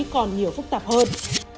còn nhiều phức tạp hơn